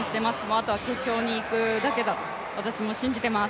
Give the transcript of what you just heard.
あとは決勝に行くだけだと私も信じてます。